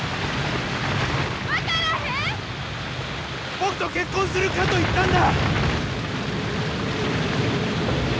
僕と結婚するかと言ったんだ！